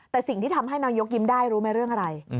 แต่สิ่งที่ทำให้นายกยิ้มได้รู้ไหมเรื่องอะไร